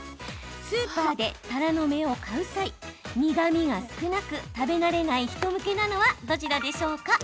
スーパーでたらの芽を買う際苦みが少なく食べ慣れない人向けなのはどちらでしょうか？